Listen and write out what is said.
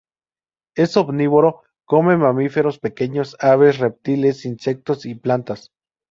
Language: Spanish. Es omnívoro, come mamíferos pequeños, aves, reptiles, insectos y plantas.